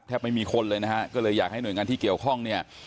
ไม่มีคนเลยนะฮะก็เลยอยากให้หน่วยงานที่เกี่ยวข้องเนี่ย